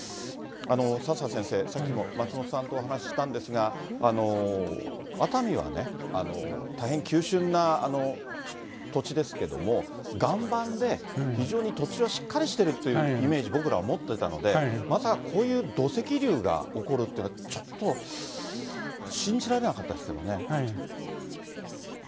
佐々先生、さっきも松本さんとお話したんですが、熱海はね、大変急峻な土地ですけども、岩盤で非常に土地はしっかりしてるというイメージ、僕らは持ってたので、まさかこういう土石流が起こるっていうのは、ちょっと、信じられなかったですけどね。